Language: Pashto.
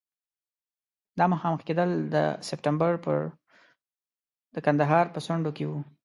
دا مخامخ کېدل د سپټمبر پر د کندهار په څنډو کې وو.